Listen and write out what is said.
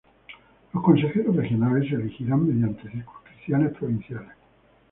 Los consejeros regionales se elegirán mediante circunscripciones provinciales.